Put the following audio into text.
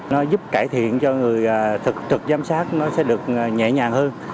nó giúp cải thiện cho người thực trực giám sát nó sẽ được nhẹ nhàng hơn